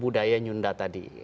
budaya nyunda tadi